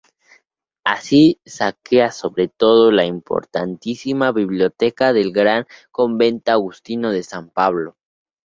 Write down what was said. Así, saquea sobre todo la importantísima biblioteca del gran convento agustino de San Pablo.